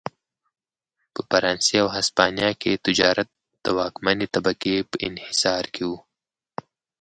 په فرانسې او هسپانیا کې تجارت د واکمنې طبقې په انحصار کې و.